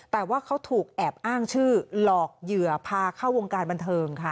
แต่ว่าเขาถูกแอบอ้างชื่อหลอกเหยื่อพาเข้าวงการบันเทิงค่ะ